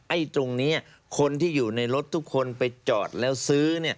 ตรงนี้คนที่อยู่ในรถทุกคนไปจอดแล้วซื้อ